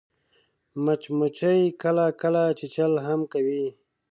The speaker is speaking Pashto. مچمچۍ کله کله چیچل هم کوي